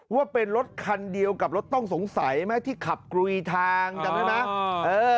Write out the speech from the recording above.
ว่าเป็นรถคันเดียวกับรถต้องสงสัยไหมที่ขับกลุยทางจำได้ไหม